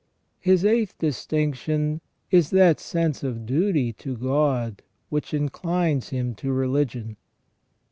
His eighth distinction is that sense of duty to God which inclines him to religion.